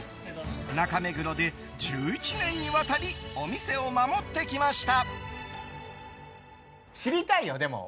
中目黒で１１年にわたりお店を守ってきました。